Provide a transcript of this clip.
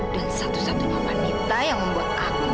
dan satu satunya wanita yang membuat aku